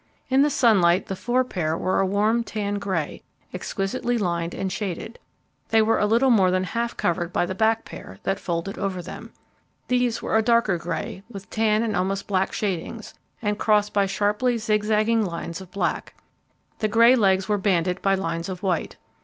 In the sunlight the fore pair were a warm tan grey, exquisitely lined and shaded. They were a little more than half covered by the back pair, that folded over them. These were a darker grey, with tan and almost black shadings, and crossed by sharply zig zagging lines of black. The grey legs were banded by lines of white.